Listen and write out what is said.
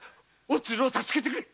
おつるを助けてくれ。